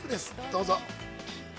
どうぞ。